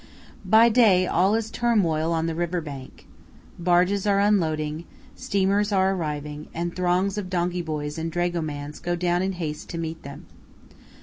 By day all is turmoil on the river bank. Barges are unloading, steamers are arriving, and throngs of donkey boys and dragomans go down in haste to meet them.